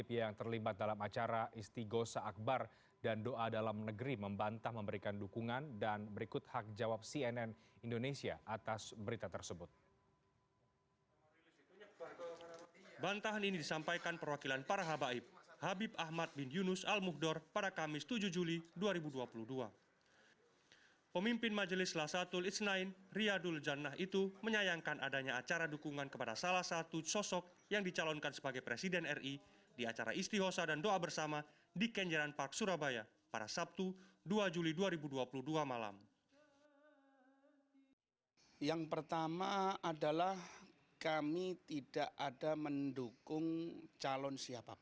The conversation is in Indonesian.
yang pertama adalah kami tidak ada mendukung calon siapapun